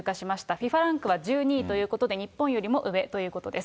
ＦＩＦＡランクは１２位ということで、日本よりも上ということです。